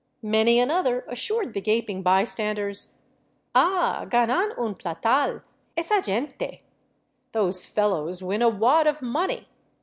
Many another assured the gaping bystanders: " Ah, ganan un platal, esa gente — Those fellows win a wad of money!